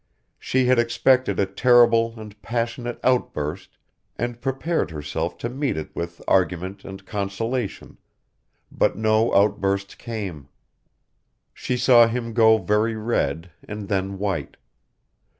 She had expected a terrible and passionate outburst and prepared herself to meet it with argument and consolation, but no outburst came. She saw him go very red and then white.